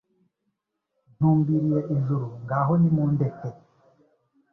ntumbiriye ijuru ngaho nimundeke